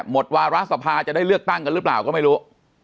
หมดวาระสภาจะได้เลือกตั้งกันหรือเปล่าก็ไม่รู้